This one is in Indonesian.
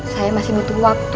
saya masih butuh waktu